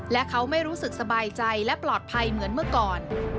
และเขาไม่รู้สึกสบายใจและปลอดภัยเหมือนเมื่อก่อน